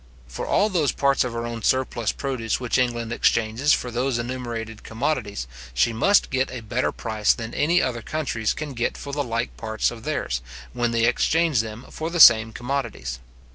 For all those parts of her own surplus produce which England exchanges for those enumerated commodities, she must get a better price than any other countries can get for the like parts of theirs, when they exchange them for the same commodities.